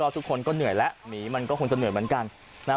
ทุกคนก็เหนื่อยแล้วหมีมันก็คงจะเหนื่อยเหมือนกันนะฮะ